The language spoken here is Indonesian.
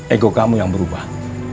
ego kamu yang berubah